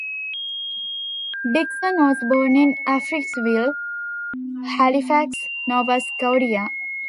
Dixon was born in Africville, Halifax, Nova Scotia.